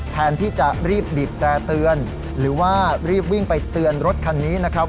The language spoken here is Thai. แทนที่จะรีบบีบแตร่เตือนหรือว่ารีบวิ่งไปเตือนรถคันนี้นะครับ